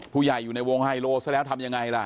ผู้ใหญ่อยู่ในวงไฮโลซะแล้วทำยังไงล่ะ